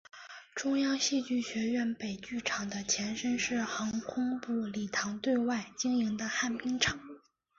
中央戏剧学院北剧场的前身是航空部礼堂对外经营的旱冰场。